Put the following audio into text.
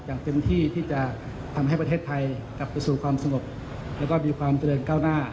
อย่างเต็มที่ที่จะทำให้ประเทศไทยกลับไปสู่ความสงบแล้วก็มีความเจริญก้าวหน้า